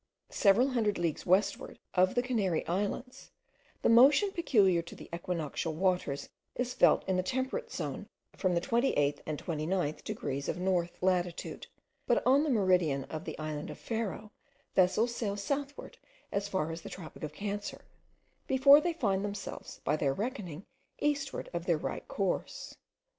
Several hundred leagues westward of the Canary Islands, the motion peculiar to the equinoctial waters is felt in the temperate zone from the 28th and 29th degrees of north latitude; but on the meridian of the island of Ferro, vessels sail southward as far as the tropic of Cancer, before they find themselves, by their reckoning, eastward of their right course.